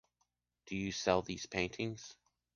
Do you sell these paintings?